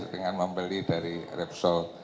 dengan membeli dari repsol